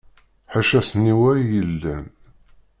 Ḥaca ssniwa i yellan.